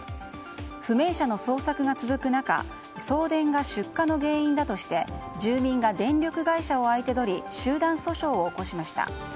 不明者の捜索が続く中送電が出火の原因だとして住民が電力会社を相手取り集団訴訟を起こしました。